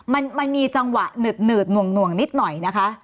มันมีจังหวะหนืดหน่วงหน่อย